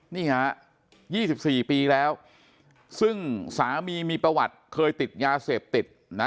นี่ฮะ๒๔ปีแล้วซึ่งสามีมีประวัติเคยติดยาเสพติดนะ